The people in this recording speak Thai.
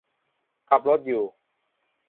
ขับรถอยู่